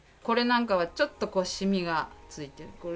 これなんかはちょっとこうシミがついてる。